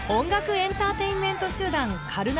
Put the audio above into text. エンターテイメント集団カルナ